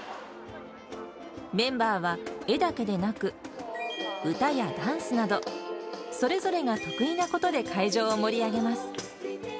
メンバーは、絵だけでなく、歌やダンスなど、それぞれが得意なことで会場を盛り上げます。